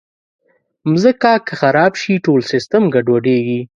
مځکه که خراب شي، ټول سیسټم ګډوډېږي.